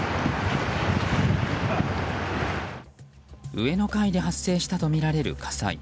上の階で発生したとみられる火災。